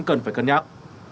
cần phải cân nhắc